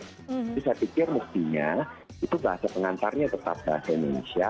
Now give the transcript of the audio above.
jadi saya pikir mestinya itu bahasa pengantarnya tetap bahasa indonesia